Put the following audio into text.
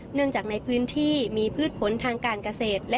เนื่องจากในพื้นที่มีพืชผลทางการเกษตร